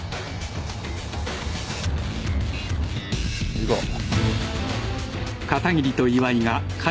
行こう。